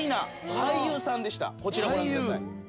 こちらご覧ください。